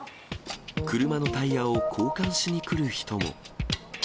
車のタイヤを交換しに来る人も。